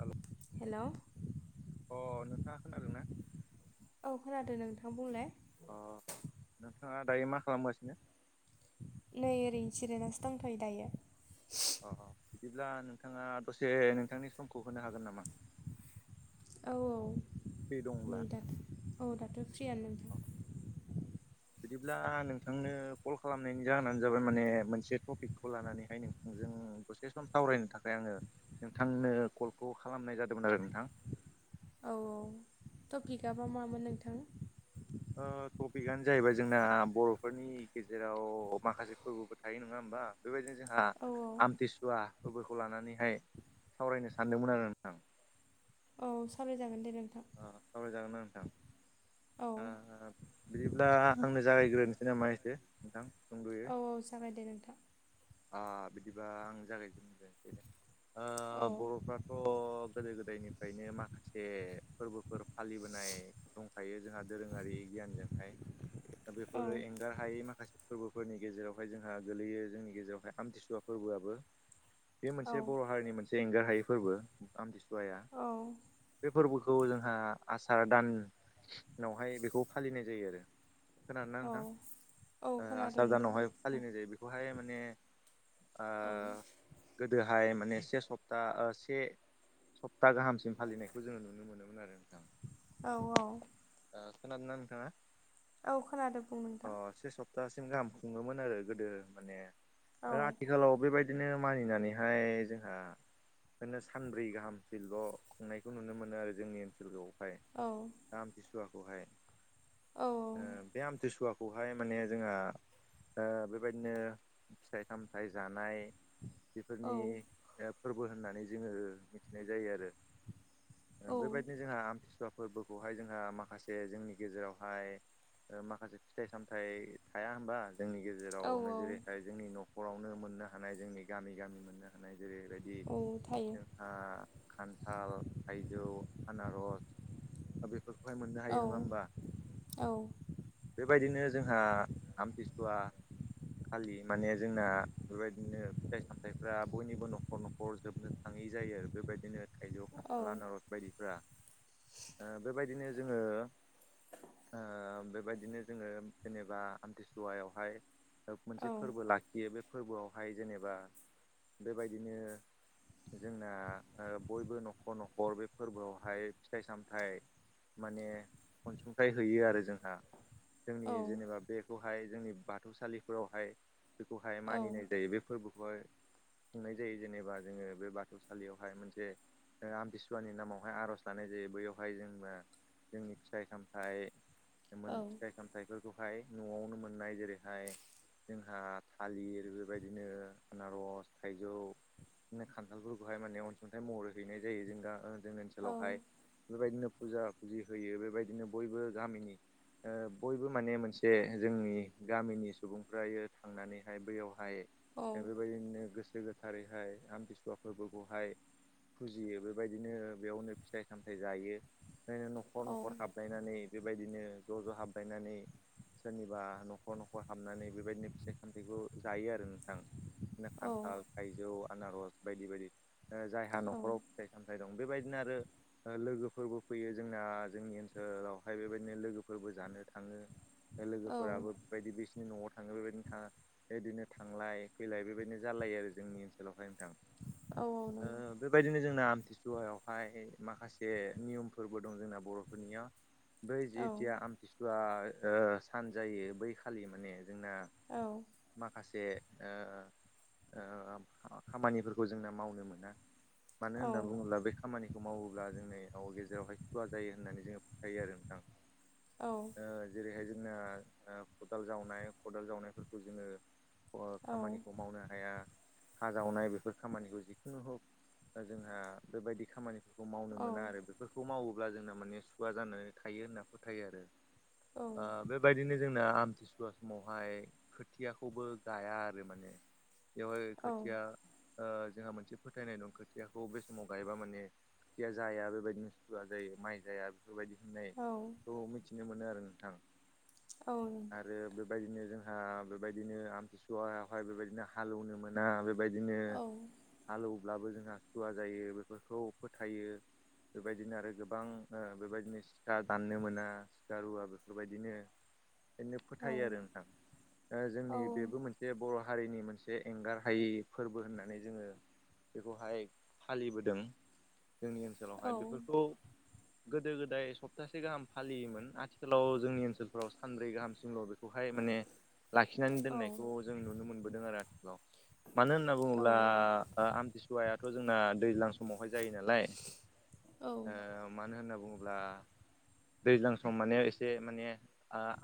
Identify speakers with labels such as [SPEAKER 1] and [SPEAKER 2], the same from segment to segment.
[SPEAKER 1] हेल'
[SPEAKER 2] hello
[SPEAKER 1] अ नोंथाङा खोनादों ना
[SPEAKER 2] औ खोनादों नोंथाङा बुंलाय
[SPEAKER 1] अ नोंथाङा दायो मा खालामगासिनो
[SPEAKER 2] नै ओरैनो सिरिआसो दांफायो दायो
[SPEAKER 1] अ बिदिब्ला नोंथाङा दसे नोंथांनि समखौ होनो हागोन नामा?
[SPEAKER 2] औ औ
[SPEAKER 1] फ्रि दंब्ला
[SPEAKER 2] नै द' औ दाथ' फ्रियानो नोंथां।
[SPEAKER 1] बिदिब्ला नोंथांनो कल खालामनायनि जाहोनानो जाबाय माने मोनसे टपिकखौ लानानैहाय नोंथांजों दसे सम सावरायनो थाखाय आङो नोंथांनो कलखौ खालामनाय जादोंमोन आरो नोंथां
[SPEAKER 2] औ औ टपिक मा मामोन नोंथां?
[SPEAKER 1] ओ टपिकआनो जाहैबाय जोंना बर'फोरनि गेजेराव माखासे फोरबोफोर थायो नङा होमबा बेबायदिनो जोंहा
[SPEAKER 2] औ
[SPEAKER 1] आमथिसुवा फोरखौ लानानैहाय सावरायनो सानदोंमोन आरो नोंथां।
[SPEAKER 2] औ साबाय जागोन दे नोंथां।
[SPEAKER 1] खावलरायजागोन ना नोंथां?
[SPEAKER 2] औ
[SPEAKER 1] ब्ला बिदिब्ला आंनो जागायग्रोनोसै नामा एसे नोंथां सुंद'यै
[SPEAKER 2] औ औ जागाय दे नोंथां।
[SPEAKER 1] ओ बिदिबा आं जागायजोबजोनसै दे
[SPEAKER 2] औ
[SPEAKER 1] बर'फ्राथ' गोदो गोदायनिफ्रायनो माखा से फोरबोफोर फालिबोनाय दंखायो जोंहा दोरोङारि गियानजोंहाय दा
[SPEAKER 2] औ
[SPEAKER 1] बेफोरो एंगार हायै माखासे फोरबोफोरनि गेजेरावहाय जोंहा गोलैयो जोंनि गेजेराव आमथिसुवा फोरबोआबो बे
[SPEAKER 2] औ
[SPEAKER 1] मोनसे बर' हारिनि मोनसे एसे एंगार हायि फोरबो आमथिसुवाया
[SPEAKER 2] औ
[SPEAKER 1] बे फोरबोखौ जोंहा आसार दान उनावहाय बेखौ फालिनाय जायो आरो। खोनादों ना
[SPEAKER 2] औ औ
[SPEAKER 1] नोंथां
[SPEAKER 2] खोनादों
[SPEAKER 1] आसार ओ
[SPEAKER 2] नोंथां
[SPEAKER 1] दानावहाय
[SPEAKER 2] औ
[SPEAKER 1] फालिनाय जायो बेखौहाय माने ओह गोदोहाय माने से सप्ता से सप्ता गाहामसिम फालिनायखौ जोङो नुनो मोनोमोन। आरो नोंथां।
[SPEAKER 2] औ औ।
[SPEAKER 1] खोनादोंना नोंथाङा
[SPEAKER 2] औ खोनादों बुं नोंथां
[SPEAKER 1] अ से सप सप्तासिम गाहाम खुङोमोन आरो गोदो माने
[SPEAKER 2] औ
[SPEAKER 1] आथिखालाव बेबायदिनो मानिनानैहाय जोंहा नो सानब्रै गाहामसैल' खुंनायखौ नुनो मोनो आरो जोंनि ओनसोलखौ ओमफाय
[SPEAKER 2] औ
[SPEAKER 1] आमथिसुवाखौहाय
[SPEAKER 2] औ
[SPEAKER 1] ओ
[SPEAKER 2] औ।
[SPEAKER 1] बे आमथिसुवाखौहाय माने जोंहा बेबायदिनो फिथाइ सामथाइ जानाय
[SPEAKER 2] औ
[SPEAKER 1] बेफोरनि फोरबो होननानै जोङो मिथिनाय जायो आरो बेबायदिनो
[SPEAKER 2] औ
[SPEAKER 1] जोंहा आमथिसुवा सुवा फोरबोखौहाय जोंहा माखासे जोंनि गेजेरावहाय माखासे फिथाइ सामथाइ थाया होनबा जोंनि गेजे
[SPEAKER 2] औ
[SPEAKER 1] जेरावनो
[SPEAKER 2] औ
[SPEAKER 1] जेरैहाय जोंनि न'खरावनो मोननो हानाय जोंनि गामि गामि मोननो हानाय जेरैहाय बिदि
[SPEAKER 2] औ थायो
[SPEAKER 1] जोंहा खान्थाल थायजौ आनारस। बेफोरखौहाय मोननो
[SPEAKER 2] औ
[SPEAKER 1] हायो नङा होमबा।
[SPEAKER 2] औ
[SPEAKER 1] बेबायदिनो जोंहा आमथिसुवा खालि माने जोंना बेबायदिनो फिथाइ सामथाइफ्रा बयनिबो न'खर न'खर जोबनो थाङै जायो आरो बेबायदिनो थाइजौआव
[SPEAKER 2] औ
[SPEAKER 1] खान्थाल आनारस। बायदिफ्रा बेबायदिनो जोङो बेबायदिनो जोङो जेनेबा आमथिसुवायावहाय
[SPEAKER 2] औ
[SPEAKER 1] मोनसे फोरबो लाखियो बे फोरबोआवहाय जेनेबा बेबायदिनो जोंना बयबो न'खर न'खर बे फोरबोआवहाय फिथाइ सामथाइ माने अनसुंथाइ होयो आरो जोंहा। जोंनि
[SPEAKER 2] औ
[SPEAKER 1] जेनेबा बेखौहाय जोंनि बाथौसालिफोरावहाय बेखौहाय
[SPEAKER 2] औ
[SPEAKER 1] मानिनाय जायो बे फोरबोखौहाय खुंनाय जायो जेनेबा जोङो बे बाथौसालियावहाय मोनसे आमतसुवानि नामावहाय आर'ज लानाय जायो बैयावहाय जोंबा जोंनि फिथाइ सामथाइ
[SPEAKER 2] औ
[SPEAKER 1] मोन फिथाइ सामथायाइफोरखौहाय न'आवनो मोननाय जेरैहाय जोंहा थालिर बेबायदिनो आनारस थाइजौ बिदिनो खान्थालफोरखौहाय माने अनसुंथाइ महरै हैनाय जायो जोंदा जोंनि
[SPEAKER 2] औ
[SPEAKER 1] ओनसोलावहाय बेबायदिनो फुजा फुजि होयो बेबायदिनो बयबो गामिनि बयबो माने मोनसे जोंनि गामिनि सुबुंफ्रायो थांनानैहाय बैयावहाय बेबायदिनो गोसो थारैहाय आमतिसुवा फोरबोखौहाय फुजियो बेबायदिनो बेयावनो फिथाइ सामथाइ जायो बिदिनो न'खर न'खर हाब लायनानै बेबायदिनो ज' ज' हाबलायनानै सोरनिबा न'खर न'खर हाबनानै बेबायदिनो फिथाइ सामथाइखौ जायो आरो नोंथां बिदिनो खान्थाल थाइजौ आनारस बायदि बायदि। जायहा
[SPEAKER 2] औ
[SPEAKER 1] न'खराव फिथाइ सामथाइ दं बेबायदिनो आरो लोगोफोरबो फैयो जोंना जोंनि ओनसोलावहाय बेबायदिनो लोगोफोरबो जानो थाङो।
[SPEAKER 2] औ
[SPEAKER 1] लोगोफोराबो बेबायदि बिसोरनि न'आव थाङो बेबायदिनो बिदिनो थांलाय फैलाय बेबायदिनो जालायो आरो जोंनि ओनसोलावहाय नोंथां।
[SPEAKER 2] औ नंगौ
[SPEAKER 1] ओब बेबायदिनो जोंना आमथिसुवायावहाय माखासे नियमफोरबो दं जोंना बर'फोरनियाव। बै
[SPEAKER 2] औ
[SPEAKER 1] जिेथिया आमथिस्टुवआ सान जायो बैखालि माने जोंना
[SPEAKER 2] औ
[SPEAKER 1] माखासे खामानिफोरखौ जोंना मावनो मोना मानो
[SPEAKER 2] औ
[SPEAKER 1] होनना बुङोब्ला बे खामानिखौ बेखौ मावोब्ला जोंनि गेजेरावहाय खुवा जायो होननानै जोङो फोथायो आरो नोंथां
[SPEAKER 2] औ
[SPEAKER 1] ओ जेरैहाय जोंना खदाल जावनाय खदाल जावनायफोरखौ जोङो
[SPEAKER 2] औ
[SPEAKER 1] खामानिखौ मावनो हाया खाजावनाय बेफोर खामानिखौ जिखुनु हका जोंहा बेबायदि खामानि बेफोरखौ मावनो
[SPEAKER 2] औ
[SPEAKER 1] मोना आरो बेफोरखौ मावोब्ला जोंना माने सुवा जानानै थायो होनना फोथायो आरो बेबायदिनो जोंना आमथिसुवा समावहाय खोथियाखौबो गाया आरो माने बेवहाय खोथिया जोंहा मोनसे फोथायनाय दं खोथियाखौ बे समाव गायबा माने खथिया जाया बेबायदिनो सुआ जायो माइ जाया बेफोरबायदि होननायखौ मिथिनो मोनो आरो नोंथां
[SPEAKER 2] औ नंगौ
[SPEAKER 1] आरो बेबायदिनो जोंहा बेबायदिनो आमथिसुवहाय बेबायदिनो हालौवनो मोन ना बेबायदिनो हालोवब्लाबो जोंहा सुवा जायो बेफोरखौ फोथायो। बेबायदिनो आरो गोबां बेबायदिनो सिखा दाननो मोना सिखा रुवा बेफोरबायदिनो बिरनो फोथायो आरो नोंथां जोंनि बेबो मोनसे बर' हारिनि मोनसे एंगार हायै फोरबो होननानै जोङो। बेखौहाय फालिबोदों जोंनि ओनसोलावहाय बेफोरखौ गोदो गोदाय सप्तासे गाहाम फालियोमोन आथिखालाव जोंनि ओनसोलफोराव सानब्रै गाहामसिमल' बेखौहाय माने लाखिनानै दोननायखौ जों नुनो मोनबोदों आरो आथिखालाव मानो होनना बुङोब्ला आमथिसुवायाथ' जोंना दैज्लां समावहाय जायो नालाय मानो होनना बुङोब्ला दैज्लां सम माने एसे माने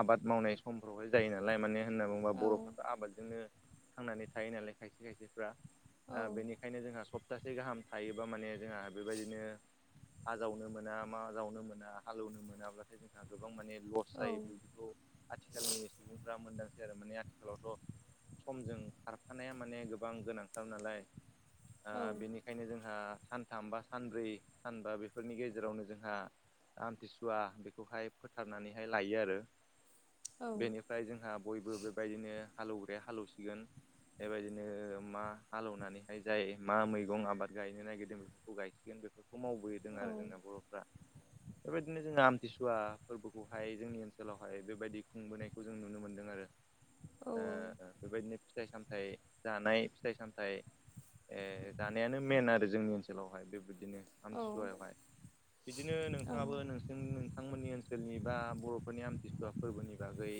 [SPEAKER 1] आबाद मावनाय समफ्रावहाय जायो नालाय माने होनना बुंङोबा बर'फ्रा आबादजोंनो थांनानै थायो नालाय खायसे खायसेफ्रा दा बेनि ओंखायनो जोंहा सप्तासे गाहाम थायोबा माने जोंहा बेबायदिनो हा जावनो मोना मा जावनो मोना हालेवनो मोनाब्लाथाय जोंहा गोबां माने लस [unintelligible] जायो बेखौ आथिखालनि सुबुंफ्रा मोनदां आरो माने आथिखालावथ' समजों खारफानाया माने गोबां गोनांथार नालाय [unintelligible] बेनिखायनो जोंहा सानथाम बा सानब्रै सानबा बेफोरनि गेजेरावनो जोंहा आमथिसुवा बेखौहाय फोथारनानैहाय लायो आरो बेनिफ्राय जोंहा बयबो बेबायदिनो हालेवग्राया हालेवसिगोन बेबायदिनो मा हालौवनानैहाय जाय मा मैगं आबाद गायनो नागिरदों बेफोरखौ गायसिगोन बेखौ बेखौ मावबोदों आरो जोंना बर'फ्रा बेबायदिनो जोङो आमथिसुवा फोरबोखौहाय जोंनि ओनसोलावहाय बेबायदि खुंबोनायखौ जों नुनो मोनदों। [unintelligible] बेबायदिनो फिथाइ सामथाइ जानाय फिथाइ सामथाइ ए जानायानो मेन आरो जोंनि ओनसोलावहाय बेबदिनो आमथिसुवायावहाय बिदिनो नोंथाङाबो नोंस [unintelligible] जों नोंथांमोननि ओनसोलनि बा बर'फोरनि आमथिसुवा फोरबोनि बागै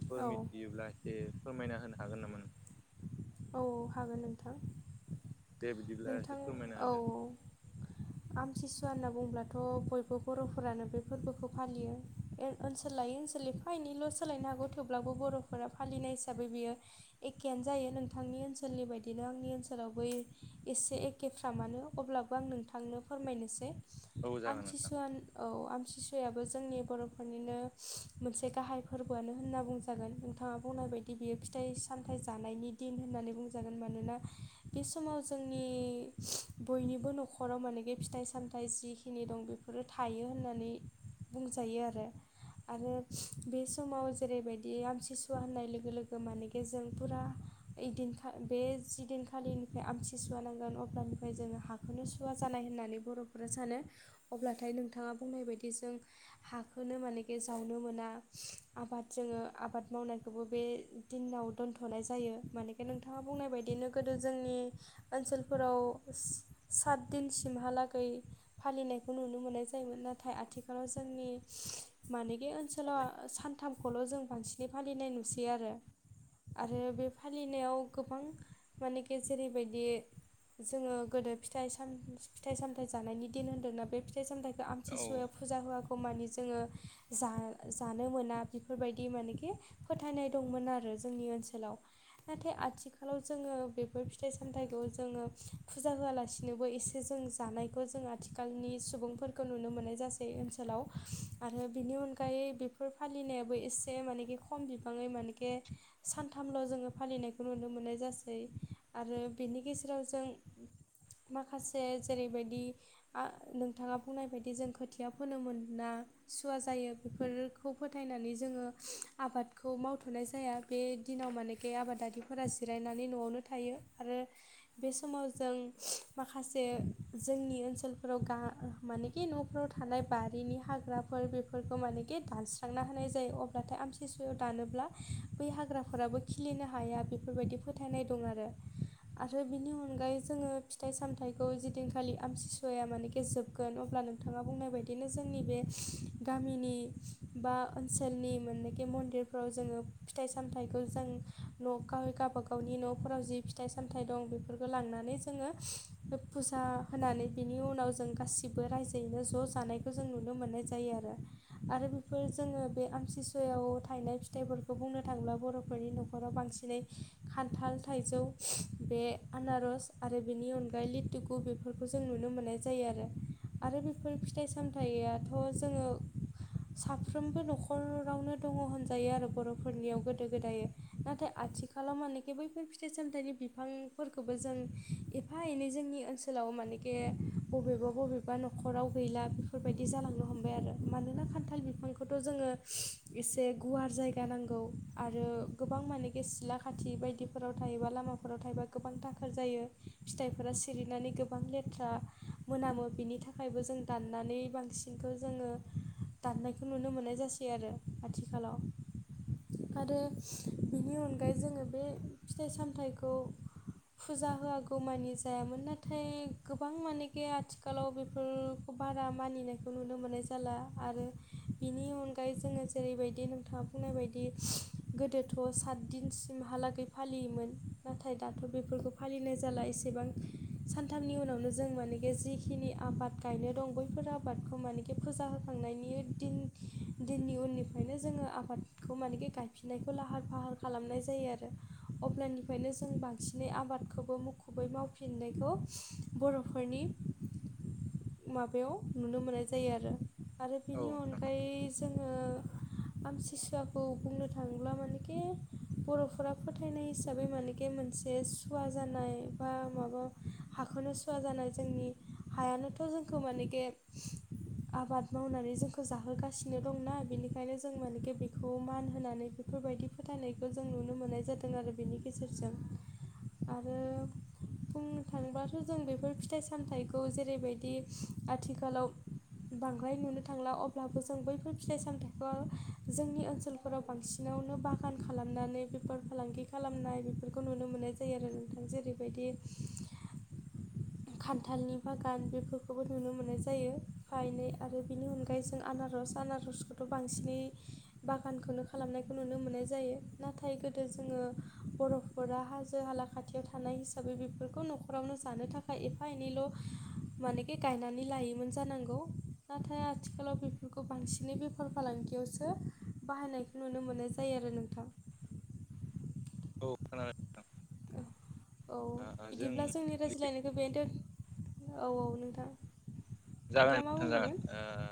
[SPEAKER 2] औ औ
[SPEAKER 1] मिथियोब्ला एसे फोरमायना होनो हागोन नामा?
[SPEAKER 2] औ हागोन नोंथां
[SPEAKER 1] दे बिदिब्ला एसे
[SPEAKER 2] नोंथां
[SPEAKER 1] फोरमायना
[SPEAKER 2] औ
[SPEAKER 1] होदो [unintelligible]
[SPEAKER 2] आमतसुवा होनना बुंडोंब्लाथ' बयबो बर'फोरानो बे फोरबोखौ फालियो। ओनसोल लायै ओनसोल एफा एनैल' सोलायनो हागौ थेवब्लाबो बर'फोरा फालिनाय हिसाबै बियो। एखानो जायो न [unintelligible] नथांनि ओनसोलनि बायदिनो आंनि ओनसोलाव बै एसे एखेफ्रा मानो अब्लाबो आं नोंथांनो फोरमायनोसै
[SPEAKER 1] औ जागोन नोंथां
[SPEAKER 2] आमथिसुवान औ आमतसुवयाबो जोंनि बर'फोरनिनो मोनसे गाहाय फोरबोआनो होनना बुंजायो जागोन नोंथाङा बुंनाय बायदि बियो फिथाइ सामथाइ जानायनि दिन होननानै बुंजागोन मानोना बे समाव जोंनि बयनिबो न'खर न'खराव मानेखि फिथाइ सामथाइ जिखिनि दं बेफोरो थायो होननानै बुंजायो आरो आरो बे समाव जेरैबायदि आमथिसुवा होननाय लोगो लोगो मानेखि जों फुरा इदिनखा बे जिदिनखालिनिफ्राय आमथि सुवा नांगोन अब्लानिफ्राय जोङो हा बेखौनो सुवा जानाय होननानै बर'फोरा सानो अब्लाथाय नोंथाङा बुंनाय बदि जों हाखोनो मानेखि जावनो मोना आबाद जोङो आबाद मावनायखौबो बे दिनाव दोनथ'नाय जायो मानेखे नोंथाङा बुंनाय बायदिनो गोदो जोंनि ओनसोलफोराव सात दिनसिमहालागै फालिनायखौ नुनो मोननाय जायोमोन नाथाय आथिखालाव जोंनि मानि बे
[SPEAKER 1] औ
[SPEAKER 2] ओनसोलाव सानथामखौल' जों बांसिनै फालिनाय नुसै आरो आरो बे [inaudible] फालिनायाव गोबां मानेखि जेरैबायदि जोङो गोदो फिथाइ साम फिथाइ सामथाइ जानायनि दिन होन्दोंना बे फिथाइ सामथाइखौ
[SPEAKER 1] औ
[SPEAKER 2] आमथिसुवायाव फुजा होआगौ मानि जोङो जा-जानो मोना बेफोरबायदि मानेखि फोथायनाय दंमोन आरो जोंनि ओनसोलाव। नाथाय आथिखालाव जोङो बेफोर फिथाइ सामथाइखौ जोङो फुजा होआलासिनोबो एसे जों जानायखौ जों आथिखालनि सुबुंफोरखौ नुनो मोननाय जासै ओनसोलाव, आरो बेनि अनगायै बे फालिनायबो एसे मानेखि खम बिबाङै मानेखि सानथामल' जों फालिनायखौ नुनो मोननाय जासै, आरो बिनि गेजेराव जों माखासे जेरैबायदि नोंथाङा बुंनाय बायदि जों खोथिया फोनोमोन ना सुवा जायो बेफोरखौ फोथायनानै जोङो आबादखौ मावथ'नाय जाया बे दिनाव माने बे आबादारिफोरा जिरायनानै न'आवनो थायो, आरो बे समाव जों माखासे जोंनि ओनसोलफोराव गा माने खि न'फ्राव थानाय बारिनि हाग्राफोर बेफोरखौ मानेखि दानस्रांना होनाय जायो। अब्लाथाय आ फेसेवो दानोब्ला बै हाग्राफोराबो खिलिनो हाया बेफोरबायदि फोथायनाय दं आरो। आरो बिनि अनगायै जोङो फिथाइ सामथाइखौ जिदिनखालि आमतिसुवाया मानेखि जोब न अब्ला नोंथाङा बुंनाय बायदिनो जोंनि बे गामिनि बा ओनसोलनि मानोखि मन्दिरफ्राव जोङो फिथाइ सामथाइखौ जों न' गाव गावबागावनि न'फोराव जि फिथाइ सामथाइ दं बेफोरखौ लांनानै जोङो फुजा होनानै बिनि उनाव जों गासिबो रायजोयैनो ज' जानायखौ जों नुनो मोननाय जायो आरो। आरो बेफोर जोङो बे आमसिसुवायाव न'खराव बांसिनै खान्थाल, थाइजौ, बे आनारस आरो बेनि अनगायै थुगु बेफोरखौ जों नुनो मोननाय जायो आरो। आरो बेफोर फिथाइ सामथायाइयाथ' जोङो साफ्रोमबो न'खरावनो दङ होनजायो आरो बर'फोरनियाव गोदो गोदाय। नाथाय आथिखालाव मानोेखि बैफोर फिथाइ सामथाइनि बिफांफोरखौबो जों एफा एनै जोंनि ओनसोलाव मानेखे बबेबा बबेबा न'खराव गैला बेफोरबायदि जालांनो हमबाय आरो। मानोना खान्थाल बिफांखौथ' जोङो एसे गुवार जायगा नांगौ। आरो गोबां मानेखे सिला खाथि बायदिफोराव थायोबा लामाफोराव थायोबा गोबां दाखोर जायो। फिथाइफोरा सिरिनानै गोबां लेथ्रा मोनामो, बेनि थाखायबो जों दाननानै बांसिन नखौ जोङो दाननायखौ नुनो मोननाय जासै आरो आथिखालाव। आरो बेनि अनगायै जोङो बे फिथाइ सामथाइखौ फुजा होआगौ मानि जायामोन, नाथाय गोबां मानेखि आथिखालाव बेफोर बारा मानिनायखौ नुनो मोननाय जाला आरो बिनि अनगायै जोङो जेरैबायदि नोंथाङा बुंनाय बायदि गोदोथ' सातदिनसिमहालागै फालियोमोन, नाथाय दाथ' बेफोरखौ फालिनाय जाला एसेबां। सानथामनि उनावनो जों मानेखे जिखिनि आबाद गायनो दं बैफोर आबादखौ मानेखि फुजा होखांनायनि दिन-दिननि उननिफ्रायनो जोङो आबाद खौ मानेखि गाय फिसिनायखौ लाहार फाहार खालामनाय जायो आरो। अब्लानिफ्रायनो जों बांसिनै आबादखौबो मुखुब गुबै मावफिननायखौ बर'फोरनि
[SPEAKER 1] [inaudible]
[SPEAKER 2] माबायाव नुनो मोननाय जायो आरो। आरो बिनि
[SPEAKER 1] नोंथां
[SPEAKER 2] अनगायै जोङो आमथिसुवाखौ बुंनो थ थांबोला मानेखि बर'फोरा फोथायनाय हिसाबै मानेखे मोनसे सुवा जानाय बा माबा हाखौनो सुवा जानाय जोंनि हायानोथ' जोंखौ मानेखे आबाद मावनानै जोंखौ जाहोगासिनो दंना, बेनिखायनो जों मानखि बेखौ मान होनानै बेफोरबायदि फोथायनायखौ जों नुनो मोननाय जादों आरो बेनि गेजेरजों। आरो बुंनो थाङोबथ' जों बेफोर फिथाइ -सामथायाइखौ जेरैबायदि आथिखालाव बांद्राय नुनो थांला अब्लाबो जों बैफोर फिथाइ सामथाइखौ जोंनि ओनसोलफोराव बांसिन बिनावनो बागान खालामनानै बेफार फालांगि खालामनाय बेफोरखौ नुनो मोननाय जायो। आरो नोंथां जेरैबायदि
[SPEAKER 1] [inaudible]
[SPEAKER 2] खान्थालनि बागान बेफोरखौबो नुनो मोननाय जायो। फायनै आरो बेनि अनगायै जों आनारस आनारस खौथ' बांसिनै बागानखौनो खालामनाय नुनो मोननाय जायो। नाथाय गोदो जोङो बर'फोरा हाजो- हाला खाथियाव थानाय हिसाबै बेफोरखौ न'खरावनो जानो थाखाय एफा एनैल' मानखे गायनानै लायोमोन जानांगौ। नाथाय आथिखालाव बेफोरखौ बांसिनै बेफार फालांगियावसो बाहायनायखौ नुनो मोनो। नुनो मोननाय जायो आरो नोंथां। [inaudible]
[SPEAKER 1] औ खोनादों नोंथां
[SPEAKER 2] औ
[SPEAKER 1] जों
[SPEAKER 2] बिदिब्ला जोंनि रायज्लायनायखौ बेनोथ औ, औ नोंथां।
[SPEAKER 1] जागोन
[SPEAKER 2] नोंथाङा मा
[SPEAKER 1] नोंथां
[SPEAKER 2] बुंदोंमोन
[SPEAKER 1] जागोन।